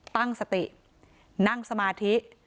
ตั้งสตินั่งสมาธิ